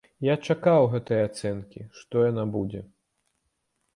Я чакаў гэтай ацэнкі, што яна будзе.